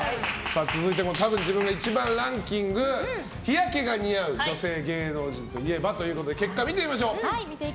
続いてのたぶん自分が１番ランキング日焼けが似合う女性芸能人といえばということで結果を見ていきましょう。